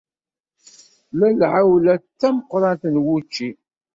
Tella lɛewla d tameqrant n wucci.